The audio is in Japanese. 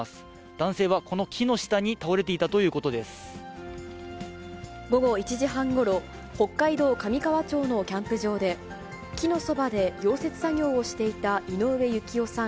男性はこの木の下に倒れていたと午後１時半ごろ、北海道上川町のキャンプ場で、木のそばで溶接作業をしていた井上幸夫さん